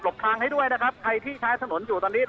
ทางให้ด้วยนะครับใครที่ใช้ถนนอยู่ตอนนี้